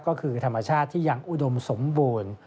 ก็คือธรรมชาติที่ยังอุดมสมบูรณ์